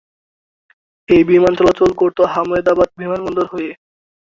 এই বিমান চলাচল করত আহমেদাবাদ বিমানবন্দর হয়ে।